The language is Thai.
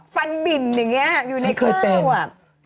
ฟันบิ่นอย่างนี้อยู่ในข้าว